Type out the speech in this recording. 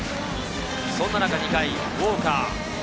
そんな中２回、ウォーカー。